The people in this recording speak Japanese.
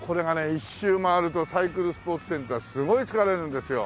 一周回るとサイクルスポーツセンターすごい疲れるんですよ。